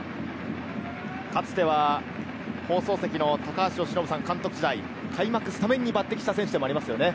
かつては放送席の高橋由伸さんが監督時代、開幕スタメンに抜てきした選手でもありますね。